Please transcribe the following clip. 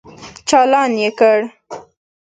چالان يې کړ.